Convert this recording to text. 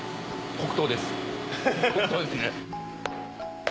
黒糖ですね。